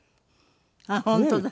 あっ本当だ。